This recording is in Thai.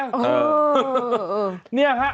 เออเออโอเนี่ยฮะ